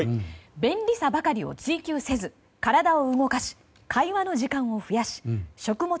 便利さばかりを追求せず体を動かし会話の時間を増やし食物